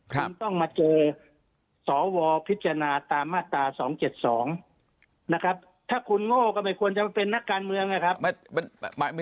คุณต้องมาเจอสวพิจารณาตามมาตรา๒๗๒นะครับถ้าคุณโง่ก็ไม่ควรจะมาเป็นนักการเมืองนะครับ